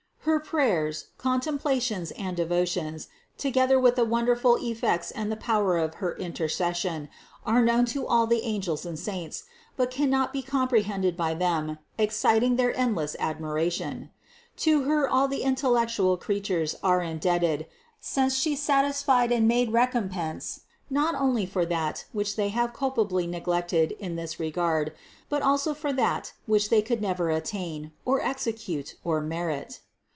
Her prayers, contempla tions and devotions, together with the wonderful effects and the power of her intercession, are known to all the THE CONCEPTION 433 angels and saints, but cannot be comprehended by them, exciting their endless admiration. To Her all the intel lectual creatures are indebted, since She satisfied and made recompense not only for that which they have culpably neglected in this regard, but also for that which they could never attain, or execute, or merit.